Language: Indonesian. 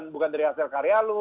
bukan dari hasil karya lo